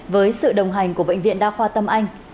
với sự đồng hành của bệnh viện đa khoa tâm anh